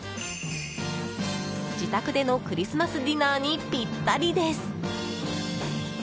自宅でのクリスマスディナーにぴったりです！